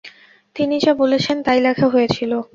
তিনি যা বলেছেন তাই লেখা হয়েছিলো।